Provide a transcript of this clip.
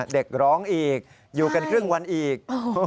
เด็กร้องอีกอยู่กันครึ่งวันอีก